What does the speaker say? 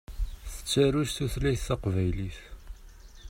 Tettaru s tutlayt taqbaylit.